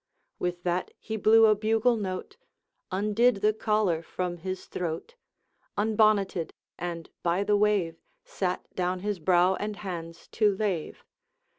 With that he blew a bugle note, Undid the collar from his throat, Unbonneted, and by the wave Sat down his brow and hands to rave.